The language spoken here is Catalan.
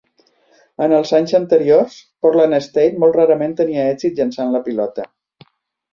En els anys anteriors, Portland State molt rarament tenia èxit llançant la pilota.